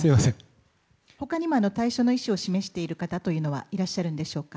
他にも退所の意思を示している方はいらっしゃるんでしょうか。